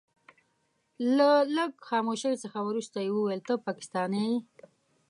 له لږ خاموشۍ څخه وروسته يې وويل ته پاکستانی يې.